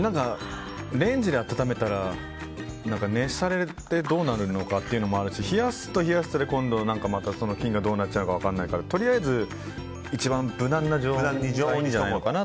レンジで温めたら熱されてどうなるのかというのもあるし冷やすと今度は菌がどうなっちゃうか分からないからとりあえず一番無難な常温に。